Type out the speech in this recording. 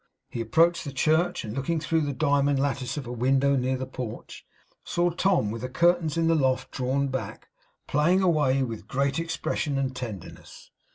He approached the church, and looking through the diamond lattice of a window near the porch, saw Tom, with the curtains in the loft drawn back, playing away with great expression and tenderness.